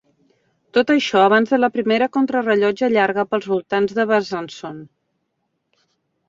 Tot això abans de la primera contrarellotge llarga pels voltants de Besançon.